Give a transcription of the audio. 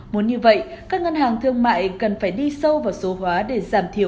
muốn như vậy các ngân hàng thương mại cần phải đi sâu vào số hóa để giảm thiểu